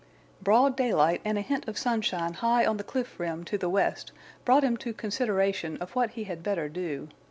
Broad daylight and a hint of sunshine high on the cliff rim to the west brought him to consideration of what he had better do.